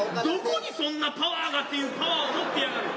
どこにそんなパワーがっていうパワーを持ってやがる。